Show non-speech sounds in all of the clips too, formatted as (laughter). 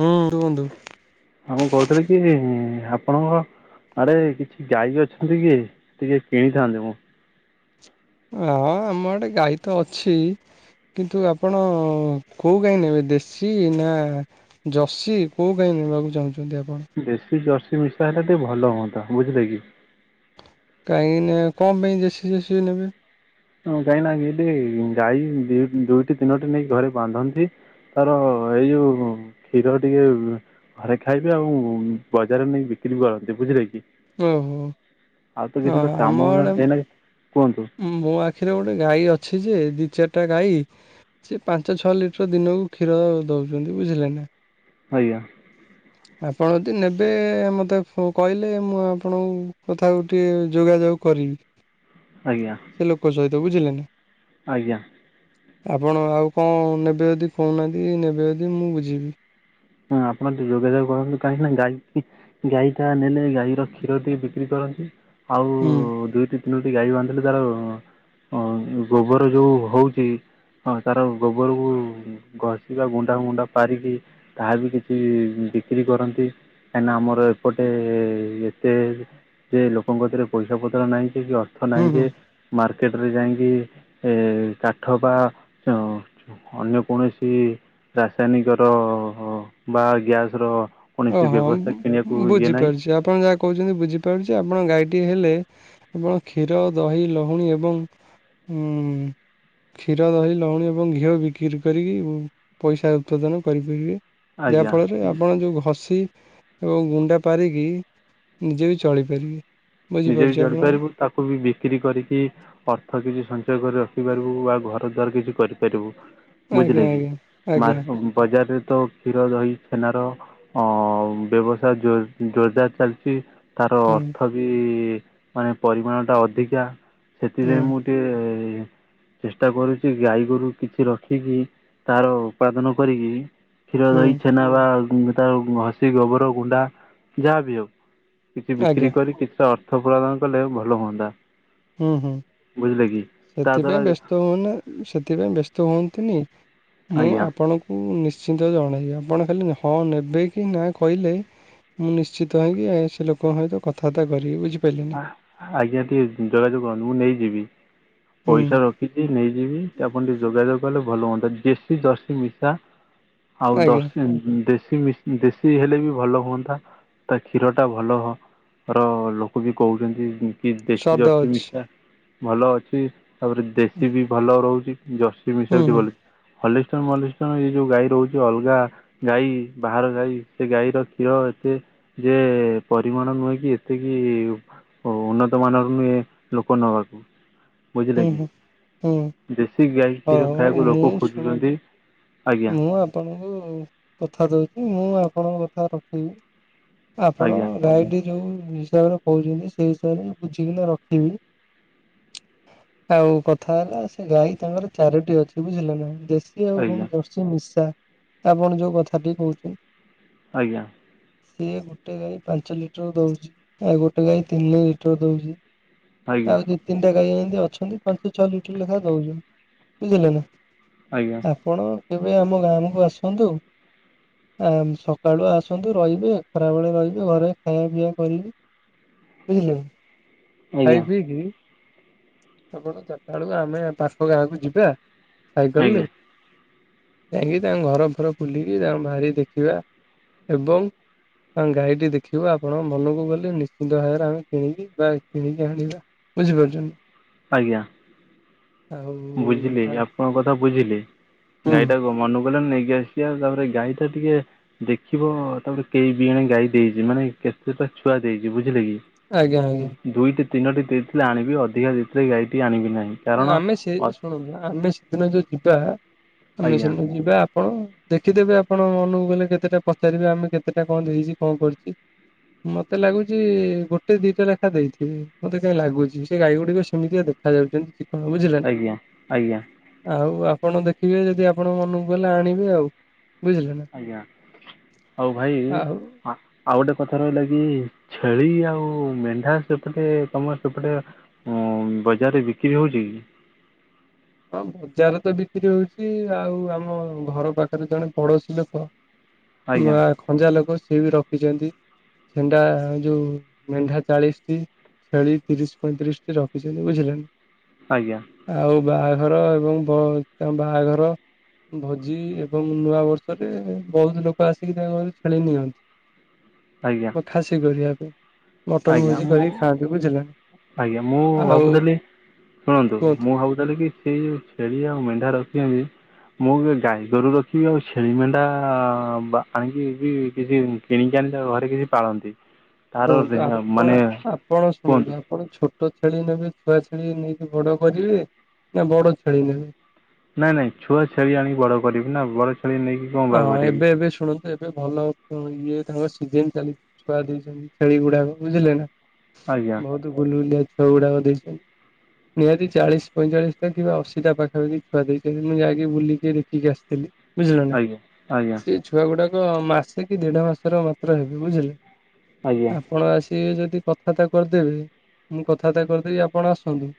ହୁଁ ରୁହନ୍ତୁ। ଆଉ ମୁଁ କହୁଥିଲି କି ଆପଣଙ୍କ ଆରେ କିଛି ଗାଈ ଅଛନ୍ତି କି ଟିକେ କିଣିଥାନ୍ତି ମୁଁ। ହଁ ଆମ ଆଡେ ଗାଈ ତ ଅଛି। କିନ୍ତୁ ଆପଣ କୋଉ ଗାଈ ନେବେ ଦେଶୀ ନା ଜଶୀ କୋଉ ଗାଈ ନେବାକୁ ଚାହୁଁଚନ୍ତି ଆପଣ? ଦେଶୀ ଜର୍ସି ମିଶା ହେଲେ ଟିକେ ଭଲ ହୁଅନ୍ତା ବୁଝିଲେ କି? କାହିଁକି ନା କଣପାଇଁ ଜେସିି ଜର୍ସି ନେବେ? ହଁ କାଇଁ ନା ଏଇଠି ଗାଈ ଦିଉ ଦୁଇଟି ତିନୋଟି ନେଇକି ଘରେ ବାନ୍ଧନ୍ତି। ତାର ଏଇ ଯୋଉ କ୍ଷୀର ଟିକେ ଘରେ ଖାଇବେ ଆଉ ବଜାରରେ ନେଇକ ବିକ୍ରି କରନ୍ତି ବୁଝିଲେ କି? ଓହୋ। ଆଉ ତ କିଛି ତ ଆମ କାମ ଧନ୍ଦା ଆଡେ ନା ଏଇନାକେ କୁହନ୍ତୁ। ମୋ ଆଖିରେ ଗୋଟେ ଗାଈ ଅଛି ଯେ ଦି ଚାରିଟା ଗାଈ ସେ ପାଞ୍ଚ ଛଅ ଲିଟର ଦିନକୁ କ୍ଷୀର ଦୋଉଛନ୍ତି ବୁଝିଲେ ନା। ଆଜ୍ଞା। ଆପଣ ଦି ନେବେ ମୋତେ କ କହିଲେ ମୁଁ ଆପଣଙ୍କୁ କଥାକୁ ଟିଏ ଯୋଗାଯୋଗ କରିବି। ଆଜ୍ଞା। ସେ ଲୋକ ସହିତ ବୁଝିଲେ ନା। ଆଜ୍ଞା। ଆପଣ ଆଉ କଂ ନେବେ ଯଦି କହୁନାହାନ୍ତି ନେବେ ଯଦି ମୁଁ ବୁଝିବି। ହଁ ଆପଣ ତ ଯୋଗାଯୋଗ କରନ୍ତୁ କହିଁକ ନା ଗାଈ ଗାଈ ଟା ନେଲେ ଗାଈର କ୍ଷୀର ଟିକେ ବିକ୍ରି କରନ୍ତି ଆଉ ହୁଁ ଦୁଇଟି ଦୁଇଟି ଗାଈ ବାନ୍ଧିଲେ ତାର ଅଁ ଯୋ ଗୋବର ଯୋଉ ହୋଊଚି ହଁ ତାର ଗୋବରକୁ ଘଷି ବା ଗୁଣ୍ଡା ଗୁଣ୍ଡା ପାରିକି ତାହା ବି କିଛି ବିକ୍ରି କରନ୍ତି କାଇଁନା ଆମର ଏପଟେ ଏତେ ଯେ ଲୋକଙ୍କ କତିରେ ପଇସା ପତ୍ର ନାହିଁ କି କି ଅର୍ଥ ହୁଁ ନାହିଁ ହୁଁ ଯେ ମାର୍କେଟରେ ଯାଇଁକି ଏ କାଠ ବା ଅଁ ଅନ୍ୟ କୌଣସି ରାସାୟନିକ ର ବା ଗ୍ୟାସ ର ଓହୋ ମ୍ ବୁଝିପାରୁଛି ଆପଣ ଯାହା କୋଉଛନ୍ତି ବୁଝିପାରୁଛି ଆପଣ ଗାଈଟିଏ ହେଲେ ଆପଣ କ୍ଷୀର ଦହି ଲହୁଣୀ ଏବଂ ଉଁ କ୍ଷୀର ଦହି ଲହୁଣୀ ଏବଂ ଘିଅ ବିକ୍ରି କରିକି ପଇସା ଉତ୍ପାଦନ କରିପାରିବେ। ଯାହା ଆଜ୍ଞା ଫଳରେ ଆପଣ ଯୋଉ ଘସ୍ ଘସି ଏବଂ ଗୁଣ୍ଡା ପାରିକି ନିଜେ ବି ଚଳିପାରିବି। ନିଜେ ବି ଚଳି ପାରିବୁ ତାକୁ ବି ବିକ୍ରି କରିକି ଅର୍ଥ କିଛି ସଞ୍ଚୟ କରି ରଖିପାରିବୁ ବା ଘର ଦ୍ୱାର କିଛି କରିପାରିବୁ ଆଜ୍ଞା ବୁଝିଲେ କି ଆଜ୍ଞା ଆଜ୍ଞା ମାସକୁ ବଜାରେ ତ କ୍ଷୀର ଦହି ଛେନାର ଅ ବ୍ୟବସାୟ ଜୋର ଜୋରଦାର ଚାଲିଚି। ତାର ହୁଁ ଅର୍ଥ ବି ମାନେ ପରିମାଣଟା ଅଧିକା ହୁଁ ସେଥିପାଇଁ ମୁଁ ତିଏ ଚେଷ୍ଟା କରୁଚି ଗାଈ ଗୋରୁ କିଛି ରଖିକି ତାର ଉପାଦନ କରିକି କ୍ଷୀର ହୁଁ ଦହି ଛେନା ବା ଗୁ ତାର ଘସି ଗୋବର ଗୁଣ୍ଡା ଯାହା ବି ହଉ। କିଛି ଆଜ୍ଞା ବିକ୍ରି କରି କିଛି ଅର୍ଥ ପ୍ରଦାନ କଲେ ଭଲ ହୁଅନ୍ତା। ହୁଁ ହୁଁ ବୁଝିଲେ କି ତା ଦ୍ୱାରା ସେଥିପାଇଁ ବ୍ୟସ୍ତ ହୁଅନା ସେଥିପାଇଁ ବ୍ୟସ୍ତ ହୁଅନ୍ତୁନି ମୁଁ ଆଜ୍ଞା ଆପଣ ମୁଁ ନିଶ୍ଚିନ୍ତ ଜଣେଇବି ଆପଣ ଖାଲି ହଁ ନେବେ କି ନା କହିଲେ ମୁଁ ନିଶ୍ଚିତ ହେଇକି ଅ ସେ ଲୋକଙ୍କ ସହିତ କଥାବାର୍ତା କରିବି ବୁଝିପାଇଲେ? ଆ ଆଜ୍ଞା ଟିକେ ଯୋଗାଯୋଗ କରନ୍ତୁ ମୁଁ ନେଇଯିବି ହୁଁ ପଇସା ରଖ ଖିଚି ନେଇଯିବି ଆପଣ ଟିକେ ଯୋଗାଯୋଗ କଲେ ଭଲ ହୁଅନ୍ତା ଦେଶୀ ଜର୍ସି ମିଶା ଆଉ ଆଜ୍ଞା ଦର୍ସି ଦେଶ୍ ସେଇ ଦେଶୀ ଦେଶୀ ହେଲେ ବି ଭଲ ହୁଅନ୍ତା ତା କ୍ଷୀରଟା ଭଲ ର ଲୋ କ ବି କହୁଛନ୍ତି କି ଦେଶୀ ସ୍ୱାଦ ଜର୍ସି ଅଛି ମିଶା ଭଲ ଅଛି ତାପରେ ଦେଶୀ ବି ଭଲ ରହୁଛି, ଜର୍ସି ହୁଁ ମିଶା ବି ଟିକେ ହୁଁ ଭଲ ହଲିଷ୍ଟନ୍ ମଲିଷ୍ଟନ୍ ଏଇ ଯୋଉ ଗାଈ ରହୁଛି ଅଲଗା ଗାଈ ବାହାର ଗାଈ ସେ ଗାଈର କ୍ଷୀର ଏତେ ଯେ ପରିମାଣ ନୁହେଁ କି ଏତିକି ଓ ଉନ୍ନତ ମାନର ନୁହେଁ ଲୋକ ନବାକୁ। ହୁଁ ହୁଁ ହୁଁ। ଦେଶୀ ଗାଈ ହଉ କ୍ଷୀର ହଉ ଖାଇବାକୁ ମୁଁ ଲୋକ ଶୁଣନ୍ତୁ ଖୋଜୁଛନ୍ତି ଆଜ୍ଞା ମୁଁ ଆପଣଙ୍କୁ କଥା ଦେଉଛି, ମୁଁ ଆପଣଙ୍କ କଥା ରଖିବି। ଆପଣ ଆଜ୍ଞା ଗାଈଟି ଯୋଉ ହିସାବରେ କହୁଛନ୍ତି ସେଇ ହିସାବରେ ବୁଝିକିନା ରଖିବି। ଆଉ କଥା ହେଲା ସେ ଗାଈ ତାଙ୍କର ଚାରୋଟି ଅଛି ବୁଝିଲ ନା ଦେଶ୍ ଶୀ ଆଉ ଏବଂ ଆଜ୍ଞା ଜର୍ସି ମିଶା ଆପଣ ଯୋଉ କଥାଟି କହୁଛନ୍ ଆଜ୍ଞା। ସିଏ ଗୋଟେ ଗାଈ ପାଞ୍ଚ ଲିଟର ଦଉଛି, ଆଉ ଗୋଟେ ଗାଈ ତିନି ଲିଟର ଦଉଛି। ଆଜ୍ଞା ଆଉ ଦି ତିନିଟା ଗାଈ ଏମିତି ଅଛନ୍ତି ପାଞ୍ଚ ଛଅ ଲିଟର ଲେଖା ଦଉଛନ୍ତି ବୁଝିଲେ ନା? ଆଜ୍ଞା। ଆପଣ କେବେ ଆମ ଗାଁକୁ ଆସନ୍ତୁ, ଆ ସକାଳୁ ଆସନ୍ତୁ ରହିବେ ଖରାବେଳେ ରହିବେ ଘରେ ଖାଇବା ପିଇଆ କରେଇବି ବୁଝିଲେ। ଖାଇ ଆଜ୍ଞା ପିଇକି ଆପଣ ଚାରିଟା ବେଳକୁ ଆମେ ପାଖ ଗାଁକୁ ଯିବା। ଆଜ୍ଞା ସାଇକଲରେ। ଯାଇଁକି ତାଙ୍କ ଘର ଫର ବୁଲିକି ତାଙ୍କ ବାରି ଦେଖିବା ଏବଂ ତାଙ୍କ ଗାଈଟି ଦେଖିବା ଆପଣ ମନକୁ ଗଲେ, ନିଶ୍ଚିନ୍ତ ଭାବରେ ଆମେ କିଣିକି ଗାଈ କିଣିକି ଆଣିବା। ବୁଝିପାରୁଛନ୍ତି? ଆଜ୍ଞା। ଆଉ ବୁଝିଲି ଆପଣଙ୍କ କଥା ବୁଝିଲି ହୁଁ ଗାଈଟାକୁ କଣ ମନକୁ ଗଲା ନା ନେଇକି ଆସ (unintelligible) ତାପରେ ଗାଈଟା ଟିକେ ଦେଖିବ ତାପରେ କେଇ ବିଆଣେ ଗାଈ ଦେଇଛି ମାନେ କେତେଟା ଛୁଆ ଦେଇଛି ବୁଝିଲେ କି ଆଜ୍ଞା ଆଜ୍ଞା। ଦୁଇଟି ତିନୋଟି ଦେଇଥିଲେ ଆଣିବି ଅଧିକା ଦେଇଥିଲେ ଗାଈଟି ଆଣିବି ନାହିଁ କାରଣ ଆମେ ସେ ଅ- ଶୁଣନ୍ତୁ ଆମେ ସେଦିନ ଯୋଉ ଯିବା ଆମେ ଆଜ୍ଞା ସେଦିନ ଯିବା ଆପ ପଣ ଦେଖିଦେବେ ଆପଣ ମନକୁ ଗଲେ କେତେଟା ପଚାରିବେ ଆମେ କେତେଟା କଣ ଦେଇଛି କଣ କରିଚି ମତେ ଲାଗୁଚି ଗୋଟେ ଦିଟା ଲେଖା ଦେଇଥିବେ ମତେ କାଇହିଁ ଲାଗୁଛି ସେ ଗାଈ ଗୁଡିକ ସେମିତିଆ ଦେଖ ଦେଖାଯାଉଛନ୍ତି ଚିକ୍କଣ ବୁଝିଲ ନା। ଆଜ୍ଞା ଆଜ୍ଞା ଆଉ ଆପଣ ଦେଖିବେ ଯଦି ଆପଣଙ୍କ ମନକୁ ଗଲେ ଆଣିବେ ଆଉ। ବୁଝିଲେ ନା ଆଜ୍ଞା ଆଉ ଭାଇ ଆଉ ଆ ଆଉ ଗୋଟେ କଥା ରହିଲା କି ଛେଳି ଆଉ ମେଣ୍ଢା ସେପଟେ ତମର ସେପଟେ ହଁ ବଜାରରେ ବିକ୍ରି ହଉଛି କି? ହଁ ବଜାରରେ ତ ବିକ୍ରି ହଉଛି ଆଉ ଆମ ଘର ପାଖରେ ଜଣେ ପଡୋଶୀ ଲୋକ ଆଜ୍ଞା ବା ଖଞ୍ଜା ଲୋକ ସିଏ ବି ରଖିଛନ୍ତି। ମେଣ୍ଡା ଯୋଉ ମେଣ୍ଢା ଚାଳିଶ ଟି ଛେଳି ତିରିଶ ପଇଁତିରିଶ ଟି ରଖିଛନ୍ତି ବୁଝିଲେ ନା। ଆଜ୍ଞା। ଆଉ ବାହାଘର ଏବଂ ବ ତା ବାହାଘର ଭୋଜି ଏବଂ ନୂଆ ବର୍ଷରେ ବହୁତ ଲୋକ ଆସିକି ତାଙ୍କ ଘରେ ଛେଳି ନିଅନ୍ତି। (inaudible) ଆଜ୍ଞା। ବୋ ଖାସି କରିବା ପେଇଁ ମଟନ୍ ଆଜ୍ଞା ଭୋଜି ମୁଁ କରିକି ଖାଆନ୍ତି ବୁଝିଲ୍ ଆଜ୍ଞା ମୁଁ ଭାବୁଥେଲି ଶୁଣନ୍ତୁ କୁହନ୍ତୁ। ମୁଁ ଭାବୁଥେଲି କି ସେଇ ଯୋଉ ଛେ ଛେଳି ଆଉ ମେଣ୍ଢା ରଖିଆ ବି ମୁଁ ଆଗେ ଗାଈ ଗୋରୁ ରଖିବି ଆଉ ଛେଳି ମେଣ୍ଢା ବା ଆଣିକି ବି କିଛି ଉଁ ଫ୍ କିଣିକି ଆଣି ତାକୁ ଘରେ କିଛି ପାଳନ୍ତି। ହ (unintelligible) ତାର ଜ୍ ଆପଣ ଆପଣ ଶୁଣନ୍ତୁ ଆପଣ ଛୋ ଟ ଛେଳି ନେବେ ଛୁଆ ଛେଳି ନେଇକି ବଡ କରିବେ ନା ବଡ ଛେଳି ନେବେ। ନାଇଁ ନାଇଁ ଛୁଆ ଛେଳି ଆଣିକି ବଡ କରିବି ନା ବଡ ଛେଳି ନେଇକି କ'ଣ ଆ ବା କରିବି ଏବେ ଏବେ ଶୁଣନ୍ତୁ ଏବେ ଭଲ ତ ଇଏ ତାଙ୍କ ସିଜିନ୍ ଚାଲି ଛୁଆ ଦେଇଛନ୍ତି ଛେଳିଗୁଡାକ ବୁଝିଲେ ନା ଆଜ୍ଞା ଭୋଉ ତୁ ଗୁଲୁ ଗୁଲିଆ ଛୁଆଗୁରାକ ଦେଇଛନ୍ତି। ନିହାତି ଚାଳିଶ ପଇଁଚାଳିଶଟା କିମ୍ବା ଅଶୀଟା ପାଖାପାଖି ଛୁଆ ଦେଇଛନ୍ତି ମୁଁ ଯାଇଁକି ବୁଲିକି ଦେଖିକି ଆସତେଲି। ବୁଝିଲ ନ ଆଜ୍ଞା ଆଜ୍ଞା। ଛୁଆଗୁଡାକ ମାସେ କି ଦେଢ ମାସର ମାତ୍ର ହେବେ ବୁଝିଲେ ଆଜ୍ଞା ଆପଣ ଆସ୍ ଇବେ ଯଦି କଥାବାର୍ତ୍ତା କରିଦେବେ ମୁଁ କଥାବାର୍ତ୍ତା କରିଦେବି ଆପଣ ଆସନ୍ତୁ।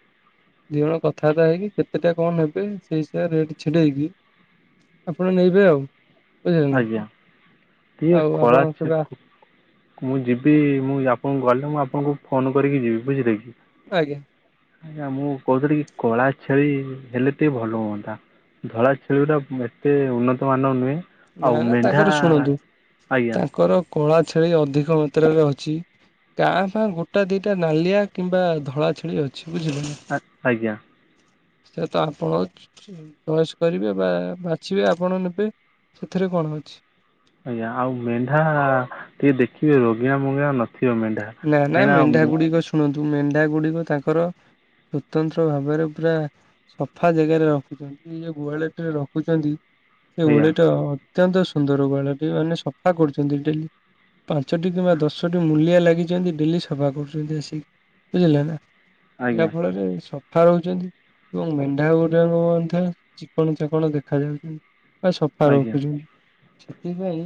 ଦି ଜଣ କଥାବାର୍ତ୍ତା ହେଇକି କେତେଟା କଁ ନବେ ସେଇ ହିସାବେରେ ରେଟ୍ ଛିଡେଇକି ଆପଣ ନେଇବେ ଆଉ। ବୁଝିଲେ ନା ଆଜ୍ଞା ଟିଏ ଆଉ ଆପଣ କଳା ଛେ କେବେ (inaudible) ଆ ମୁଁ ଯିବି ମୁଁ ଆପଣ ଗଲେ ମୁଁ ଆପଣଙ୍କୁ ଫୋନ କରିକି ଯିବି ବୁଝିଲେ। ଆଜ୍ଞା। ଆଜ୍ଞା ମୁଁ କହୁଥିଲି କି କଳା ଛେଳି ହେଲେ ଟିକେ ଭଲ ହୁଅନ୍ତା। ଧଳା ଛେଳିଗୁଡା ଉଁ ଏତେ ଉନ୍ନତମାନର ନୁହେଁ। ଆଉ ନା ନା ମେଣ୍ଢା ତାଙ୍କର ଶୁଣନ୍ତୁ ଆଜ୍ଞା ତାଙ୍କର କଳା ଛେଳି ଅଧିକ ମାତ୍ରାରେ ଅଛି। ତା ସାଙ୍ଗକୁ ଗୋଟାଏ ଦିଟା ନାଲିଆ କିମ୍ବା ଧଳା ଛେଳି ଅଛି ବୁଝିଲେ ନା। ଆ ଆଜ୍ଞା। ସେତା ଆପଣ ଚୁ ଚୁ ଉଁ ଚଏସ୍ କରିବେ ବା ବାଛିବେ ଆପଣ ନେବେ। ସେଥେରେ କଣ ଅଛି। ଆଜ୍ଞା ଆଉ ମେଣ୍ଢା ଟିକେ ଦେଖିବେ ରୋଗିଣା ମୋଗିଣା ନଥିବ ମେଣ୍ଢା। ନା ନା କାହିଁକିନା ମୁଁ- ମେଣ୍ଢାଗୁଡିକ ଶୁଣନ୍ତୁ ମେଣ୍ଢାଗୁଡିକ ତାଙ୍କର ସ୍ୱତନ୍ତ୍ର ଭାବେରେ ପୁରା ସଫା ଜାଗାରେ ରଖୁଛନ୍ତି ଏଇ ଯୋଉ ଗୁହାଳେଟାରେ ରଖୁଛନ୍ତି ସେ ଆଜ୍ଞା ଗୁହାଳିଟା ଅ ତ୍ୟନ୍ତ ସୁନ୍ଦର ଗୁହାଳଟି ମାନେ ସଫା କରୁଛନ୍ତି ଡେଲି ପାଞ୍ଚଟି କିମ୍ବା ଦଶଟି ମୂଲିଆ ଲାଗି ଚନ୍ତି ଡେଲି ସଫା କରୁଛନ୍ତି ଆସିକି ବୁଝିଲେ ନା ଯା ଆଜ୍ଞା ଫଳରେ ସ ଫା ରହୁଛନ୍ତି ଏବଂ ମେଣ୍ଢାଗୁରାକ ମଧ୍ୟ ଚିକ୍କଣ ଚାକ୍କଣ ଦେଖାଯାଉଛନ୍ତି। ଆ ସଫା ଆଜ୍ଞା ରଖୁଛନ୍ତି। ସେଥିପାଇଁ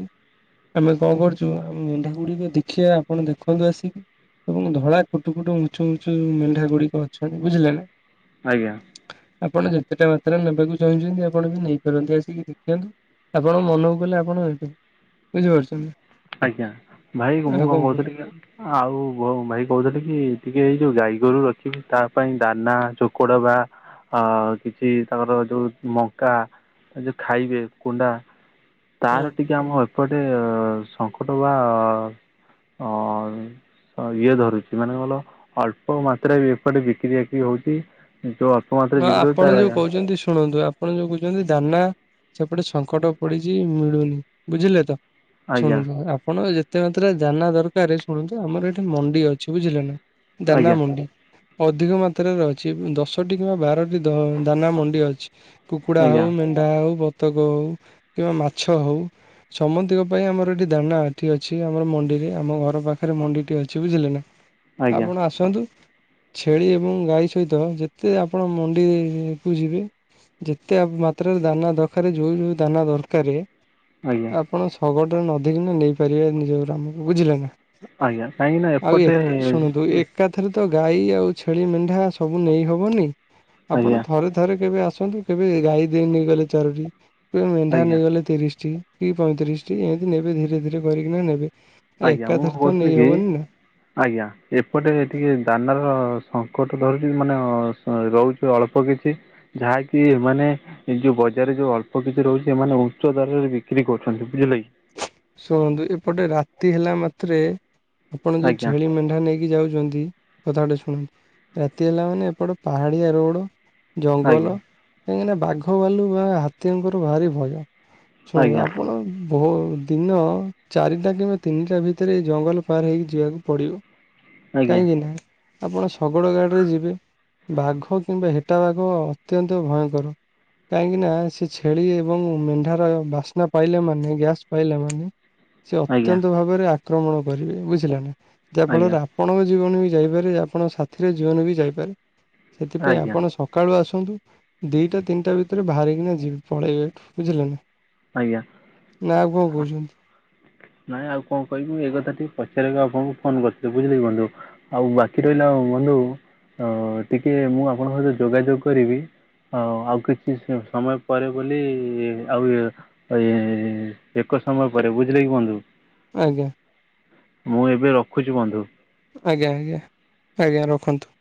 ଆମେ କଁ କରୁଚୁ ଆମେ ମେଣ୍ଢାଗୁଡିକ ଦେଖିଆ ଆପଣ ଦେଖ ଖନ୍ତୁ ଆସିକି ଏବଂ ଧଳା କୁଟୁ କୁଟୁ ମୁଚୁ ମୂଚୁ ଉଁ ମେଣ୍ଢାଗୁଡିକ ଅଛନ୍ତି ବୁଝିଲେ ନା। ଆଜ୍ଞା। ଆପଣ ଯେତେଟା ମାତ୍ରାରେ ନେବାକୁ ଚାହୁଁଛନ୍ତି ଆପଣ ବି ନେଇପାରନ୍ତି ଆସିକି ଦେଖିଆନ୍ତୁ। ଆପଣ ମନକୁ ଗଲେ ଆପଣ ହେଇପିଙ୍ଗ ବୁଝିପାରୁଛନ୍ତି? ଆଜ୍ଞା ଭାଇ ମୁଁ ଆଉ କଣ କହୁଥିଲି କି କହୁଛନ୍ତି? ଆଉ ଭାଇ କହୁଥିଲି କି ଟିକେ ଏଇ ଯୋଉ ଗାଈ ଗୋରୁ ଅଛି ତା ପାଇଁ ଦାନା ଚୋକଡ ବା ଆ, କିଛି ତାଙ୍କର ଯୋଉ ମକା ଯୋଉ ଖାଇବେ କୁଣ୍ଡା ତାର ହୁଁ ଟିକେ ଆମ ଏପଟେ ସଙ୍କଟ ବା ହଁ ଇଏ ଧରୁଛି ମାନେକଣ କହିଲ ଅଳ୍ପ ମାତ୍ରାରେ ବି ଏପଟେ ବିକ୍ରିବାକି ହଉଛି। କିନ୍ତୁ ଅଳ୍ପ ମାଲ ବା ଆପଣ ଯୋଉ କହୁଛନ୍ତି ଶୁଣନ୍ତୁ। ଆପଣ ଯୋଉ କହୁଛନ୍ତି ଦାନା ସେପଟେ ସଙ୍କଟ ପଡିଛି ମିଳୁନି ବୁଝିଲେ ତ? ଆଜ୍ଞା ଶୁଣନ୍ତୁ ଆପଣ ଯେ ଏତେ ମାତ୍ରାରେ ଦାନା ଦରକାର ଶୁଣନ୍ତୁ ଆମର ଏଠି ମଣ୍ଡି ଅଛି ବୁଝିଲେ ନା ଦାନା ଆଜ୍ଞା ମଣ୍ଡି ଅଧିକ ମାତ୍ରାରେ ଅଛି ଦଶଟି କିମ୍ବା ବାରଟି ଦ ଦାନା ମଣ୍ଡି ଅଛି କୁକୁଡ଼ା ହେଉ ଆଜ୍ଞା ମେନ୍ କା ହଉ ବତକ ହଉ କିମ୍ବା ମାଛ ହଉ ସମତିଙ୍କ ପାଇଁ ଆମର ଏଠି ଦାନା ଏଠି ଅଛି ଆମର ମଣ୍ଡିରେ ଆମ ଘର ପାଖରେ ମଣ୍ଡିଟେ ଅଛି ବୁଝିଲେ ନା? ଆଜ୍ଞା ଆପଣ ଆସନ୍ତୁ ଛେଳି ଏବଂ ଗାଈ ସହିତ ଯେତ ଏତେ ଆପଣ ମଣ୍ଡିକୁ ଯିବେ। ଯେତେ ମାତ୍ରାରେ ଦାନା ଦରକାରେ ଯୋଉ ଯୋଉ ଦାନା ଦରକାରେ ଆଜ୍ଞା ଆପଣ ଶଗଡରେ ନଦୀ କିନା ନେଇପାରିବେ ନିଜ ଗ୍ରାମକୁ ବୁଝିଲେ ନା? ଆଜ୍ଞା କାହିଁକ ନା ଏପଟେ ଏକାଥରେତ ଗାଈ ଆଉ ଛେଳି ମେଣ୍ଢା ସବୁ ନେଇ ହବନି ଆପଣ ଆଜ୍ଞା ଥରେ ଥ ଥରେ କେବେ ଆସନ୍ତୁ କେବେ ଗାଈ ଦେଇ ନେଇଗଲେ ଚାରୋଟି କେବେ ମେଣ୍ଢା ଆଜ୍ଞା ନେଇଗଲେ ତିରିଶଟି। କି ପଇଁତିରିଶ ଟି ଏମିତି ନେବେ ଧୀରେ ଧୀରେ କରି କିନା ନେବେ ଆ ଆଜ୍ଞା ମୁଁ ଏକାଥରେ ତ କହୁଥିଲି ନେଇ କି ହବନି ନା ଆଜ୍ଞା, ଏପଟେ ଟିକେ ଦାନାର ସଙ୍କଟ ଧରୁଛି ମାନେ ରହୁଛି ଅଳ୍ପ କିଛି ଯାହାକି ଏମାନେ ଏଇ ଯୋଉ ବଜାରରେ ଯୋଉ ଅଳ୍ପ କିଛି ରହୁଛି ଏମାନେ ଉଚ୍ଚ ଦାରରେ ବିକ୍ରି କରୁଛନ୍ତି ବୁଝିଲେ କି ଶୁଣନ୍ତୁ ଏପଟେ ରାତି ହେଲା ମାତ୍ରେ ଆପଣ ଯୋଉ ଆଜ୍ଞା ଛେଳି ମେଣ୍ଢା ନେଇକି ଯାଉଛନ୍ତି କଥାଟା ଶୁଣନ୍ତୁ ରାତି ହେଲା ମାନେ ଏପଟ ପାହାଡିଆ ରୋଡ ଜଙ୍ଗଲ ଆଜ୍ଞା କାହିଁକି ନା ବାଘ ବାଲୁ ବା ହାତୀଙ୍କର ଭାରି ଭୟ ଶୁଣନ୍ତୁ ଆଜ୍ଞା ଆପଣ ବହୁ ଦିନ ଚାରିଟା କିମ୍ବା ତିନିଟା ଭିତରେ ଜଙ୍ଗଲ ପାର ହେଇକି ଯିବାକୁ ପଡ଼ିବ। ଆଜ୍ଞା କାହିଁକିନା ଆପଣ ଶଗଡ଼ ଗାଡ଼ିରେ ଯିବେ। ବାଘ କିମ୍ବା ହେଟା ବାଘ ଅତ୍ୟନ୍ତ ଭୟଙ୍କର। କାହିଁକି ନା ସେ ଛେଳି ଏବଂ ମେଣ୍ଢାର ବାସ୍ନା ପାଇଲେ ମାନେ ଗ୍ୟାସ୍ ପାଇଲା ମାନେ ସେ ଆଜ୍ଞା ଅତ୍ୟନ୍ତ ଭାବରେ ଆକ୍ରମଣ କରିବେ ବୁଝିଲେ ନା ଆଜ୍ଞା ଯାହାଫଳରେ ଆପଣଙ୍କ ଜୀବନ ବି ଯାଇପାରେ ଆପଣଙ୍କ ସାଥିର ଜୀବନ ବି ଯାଇପାରେ ସେଥିପାଇଁ ଆଜ୍ଞା ଆପଣ ସ ସକାଳୁ ଆସନ୍ତୁ ଦିଟା ତିନିଟା ଭିତରେ ବାହାରିକିନା ଯିବେ ପଳେଇବେଠୁ ବୁଝିଲେ ନା। ଆଜ୍ଞା ନା ଆଉ କଣ ହଁ। କହୁଛନ୍ତି ନାଇଁ ଆଉ କଣ କହିବି ଏଇ କଥା ଟିକେ ପଚାରିବାକୁ ଆପଣଙ୍କୁ ଫୋନ କରିୁଥିଲେ ବୁଝିଲେକି ବନ୍ଧୁ। ଆଉ ବାକି ରହିଲା ବନ୍ଧୁ ଟିକେ ମୁଁ ଆପଣଙ୍କ ସହିତ ଯୋଗାଯୋଗ କରିବି ହ ଆଉ କିଛି ସମୟ ପରେ ବୋଲି ଆଉ ଇଏ ଏ ଏକ ସମୟ ପରେ ବୁଝିଲେ କି ବନ୍ଧୁ। ଆଜ୍ଞା। ମୁଁ ଏବେ ରଖୁଛି ବନ୍ଧୁ। ଆଜ୍ଞା ଆଜ୍ଞା ଆଜ୍ଞା ରଖନ୍ତୁ।